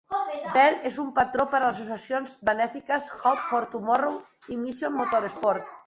Bel és un patró per a les associacions benèfiques Hope for Tomorrow i Mission Motorsport.